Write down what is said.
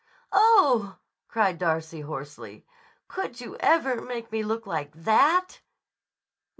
"Oh!" cried Darcy hoarsely. "Could you ever make me like _that?